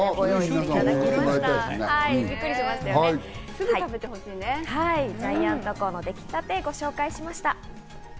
ジャイアントコーンのできたて、ご紹介しました。